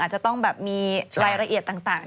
จะต้องแบบมีรายละเอียดต่าง